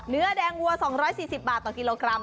เนื้อแดงวัว๒๔๐บาทต่อกิโลกรัม